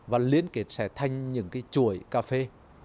và liên kết sẽ thành những cái chuỗi cà phê